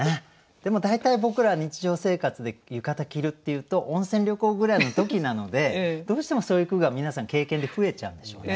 でも大体僕ら日常生活で浴衣着るっていうと温泉旅行ぐらいの時なのでどうしてもそういう句が皆さん経験で増えちゃうんでしょうね。